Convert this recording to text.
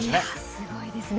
すごいですね。